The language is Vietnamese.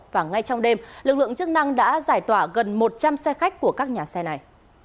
và ngay trong đêm lực lượng chức năng đã giải tỏa gần một trăm linh xe khách của các nhà xe này